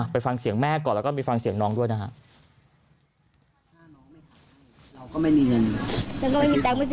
ไปฟังเสียงแม่ก่อนแล้วก็มีฟังเสียงน้องด้วยนะครับ